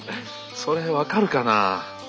それ分かるかな。